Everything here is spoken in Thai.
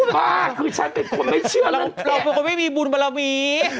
ว่าคือฉันเป็นคนไม่เชื่อแล้วเราเป็นคนไม่มีบุญบรมี